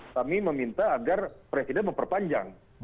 kami meminta agar presiden memperpanjang